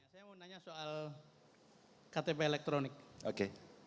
saya mau nanya soal ktp elektronik